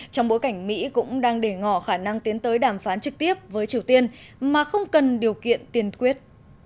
trong bối cảnh mỹ cũng đang để ngỏ khả năng tiến tới đàm phán trực tiếp với triều tiên mà không cần điều kiện tiền quyết